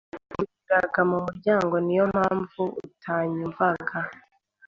Nuririra kumuryango niyo mpamvu utanyumva